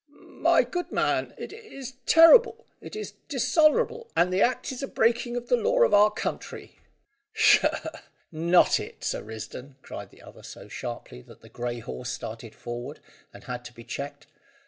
"My good man, it is terrible. It is dishonourable, and the act is a breaking of the laws of our country." "Tchah! Not it, Sir Risdon," cried the other so sharply, that the grey horse started forward, and had to be checked.